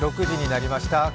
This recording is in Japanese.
６時になりました。